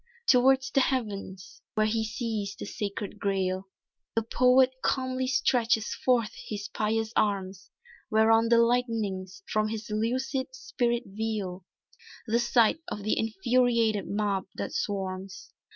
Towards the Heavens where he sees the sacred grail The poet calmly stretches forth his pious arms, Whereon the lightenings from his lucid spirit veil The sight of the infuriated mob that swarms.